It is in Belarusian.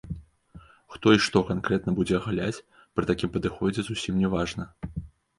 Хто і што канкрэтна будзе агаляць, пры такім падыходзе зусім не важна.